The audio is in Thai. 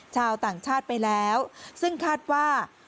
ชาวต่างชาติไปแล้วซึ่งคาดว่า